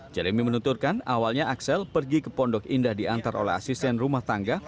jeremy menuturkan awalnya axel pergi ke pondok indah diantar oleh asisten rumah tangga